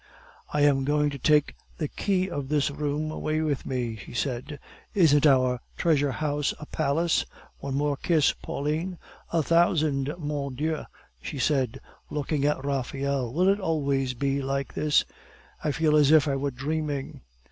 "I am going to take the key of this room away with me," she said. "Isn't our treasure house a palace?" "One more kiss, Pauline." "A thousand, mon Dieu!" she said, looking at Raphael. "Will it always be like this? I feel as if I were dreaming."